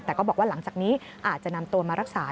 แต่ก็บอกว่าหลังจากนี้อาจจะนำตัวมารักษา